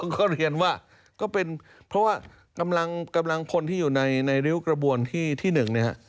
ก็เรียนว่าก็เป็นเพราะว่ากำลังพลที่อยู่ในริ้วกระบวนที่๑เนี่ย